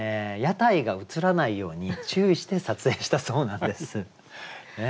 屋台が映らないように注意して撮影したそうなんです。